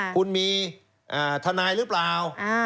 คุณมีทนายหรือเปล่า